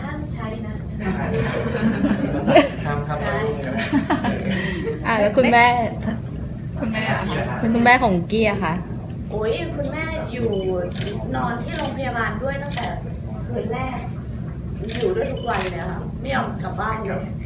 อยู่ด้วยทุกวันไม่อยากกลับบ้านหรอกจะอยู่กับหลาน